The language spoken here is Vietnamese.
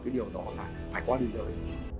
cái điều đó là phải qua biên giới